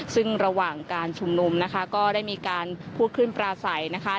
ซึ่งระหว่างการชุมนุมนะคะก็ได้มีการพูดขึ้นปลาใสนะคะ